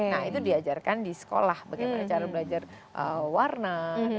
nah itu diajarkan di sekolah bagaimana cara belajar warna